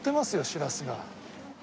しらすが。